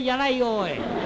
おい。